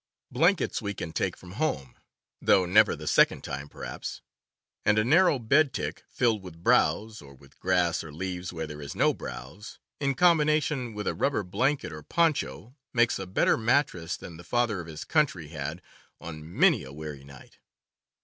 Blankets we can take from home (though never the second time, perhaps); and a narrow bed tick, filled with browse, or with grass or leaves where there is no browse, in combination with a rubber blanket or poncho, makes a better mattress than the Father of his Country had on many a weary night.